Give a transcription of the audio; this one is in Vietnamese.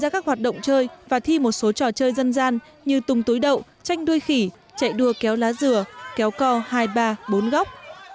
các hoạt động chơi và thi một số trò chơi dân gian như tùng túi đậu tranh đuôi khỉ chạy đua kéo lá dừa kéo co hai ba bốn góc